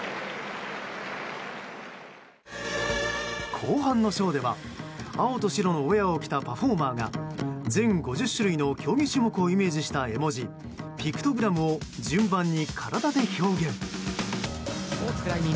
後半のショーでは青と白のウェアを着たパフォーマーが全５０種類の競技種目をイメージした絵文字ピクトグラムを順番に体で表現。